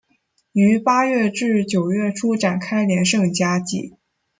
于八月至九月初展开连胜佳绩。